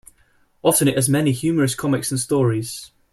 Often it has many humorous comics and stories.